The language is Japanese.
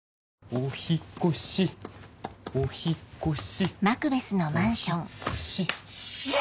お引っ越しお引っ越し。